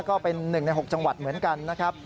ก็เป็น๑ใน๖จังหวัดเหมือนกันนะครับ